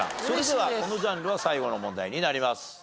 それではこのジャンルは最後の問題になります。